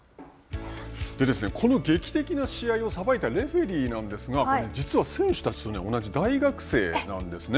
この劇的な試合を裁いたレフェリーなんですが実は選手たちと同じ大学生なんです。